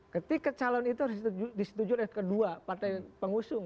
ketika calon itu harus disetujui oleh kedua partai pengusung